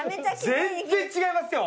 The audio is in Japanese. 全然違いますよ。